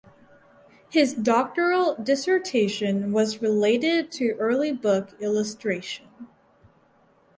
His doctoral dissertation was related to early book illustration.